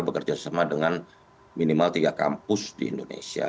bekerjasama dengan minimal tiga kampus di indonesia